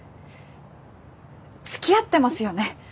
つきあってますよね？